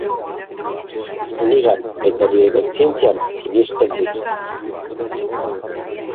Nigan eta nire kontzientzian sinesten dut.